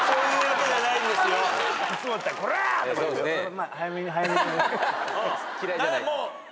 「まあ早めに早めに」